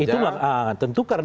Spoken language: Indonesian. itu tentu karena